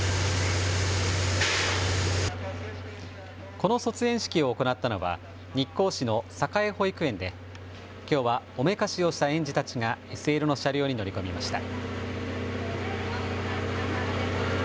この卒園式を行ったのは日光市のさかえ保育園できょうはおめかしをした園児たちがＳＬの車両に乗り込みました。